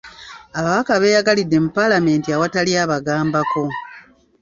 Ababaka beeyagalidde mu palamenti awatali abagambako.